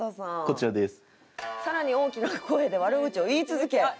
こちらです。